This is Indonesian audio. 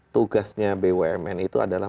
tugasnya bumn itu adalah